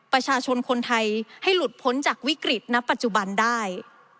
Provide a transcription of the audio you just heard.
ประชาชนคนไทยให้หลุดพ้นจากวิกฤตณปัจจุบันได้